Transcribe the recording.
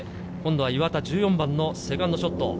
岩田、１４番のセカンドショット。